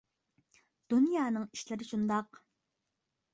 دۇنيانىڭ ئىشلىرى شۇنداق.